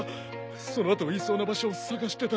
その後いそうな場所を捜してただけで。